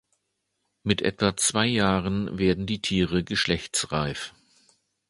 Mit etwa zwei Jahren werden die Tiere geschlechtsreif.